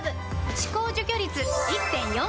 歯垢除去率 １．４ 倍！